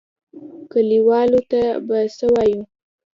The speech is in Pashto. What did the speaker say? کليوالو ته به څه وايو؟